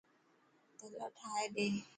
تلا ٺائي ڏي.